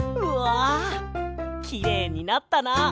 うわきれいになったな。